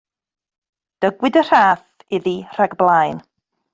Dygwyd y rhaff iddi rhag blaen.